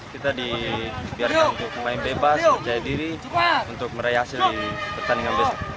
kita dibiarkan untuk pemain bebas percaya diri untuk meraih hasil di pertandingan besok